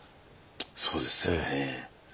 そうですよね。